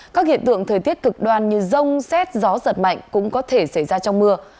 các hiện tượng thời tiết cực đoan như rông xét gió giật mạnh cũng có thể xảy ra trong mưa